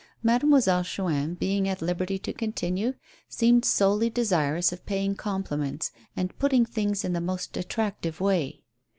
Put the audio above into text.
Mademoiselle Chuin, being at liberty to continue, seemed solely desirous of paying compliments and putting things in the most attractive way.